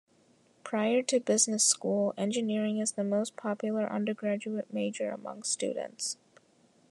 Prior to business school, engineering is the most popular undergraduate major among students.